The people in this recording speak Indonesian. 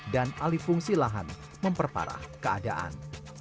dan alifungsi lahan memperparah keadaan